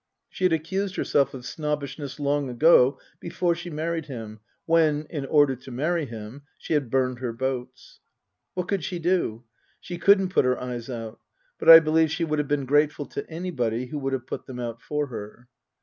She had accused herself of snobbishness long ago, before she married him, when, in order to marry him, she had burned her boats. What could she do ? She couldn't put her eyes out. But I believe she would have been grateful to anybody who would have put them out for her.